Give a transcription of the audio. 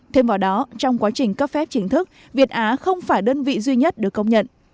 thêm vào đó trong quá trình cấp phép chính thức việt á không phải đơn vị duy nhất được công nhận